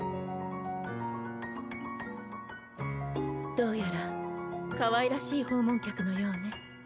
どうやらかわいらしい訪問客のようね。